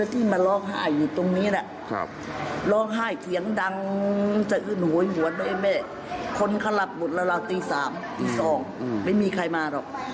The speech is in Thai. ตีสามตีสองไม่มีใครมาหรอก